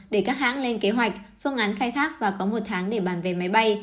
để các hãng lên kế hoạch phương án khai thác và có một tháng để bàn về máy bay